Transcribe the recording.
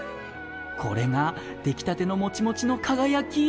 これが出来たてのモチモチの輝き！